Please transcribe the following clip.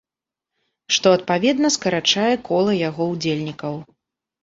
Што, адпаведна, скарачае кола яго ўдзельнікаў.